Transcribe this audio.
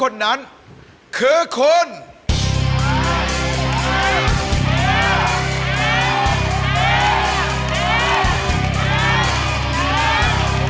คุณบัวระวงได้หมวกใบเล่